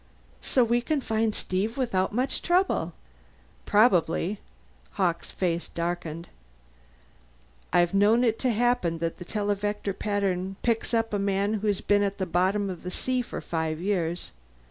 "So we can find Steve without much trouble!" "Probably." Hawkes' face darkened. "I've known it to happen that the televector pattern picks up a man who's been at the bottom of the sea for five years.